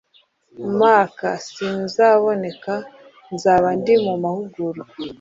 marc : sinzaboneka. nzaba ndi mu mahugurwa..